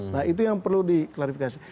nah itu yang perlu diklarifikasi